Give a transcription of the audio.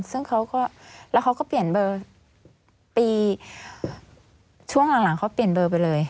ซึ่งเขาก็แล้วเขาก็เปลี่ยนเบอร์ปีช่วงหลังเขาเปลี่ยนเบอร์ไปเลย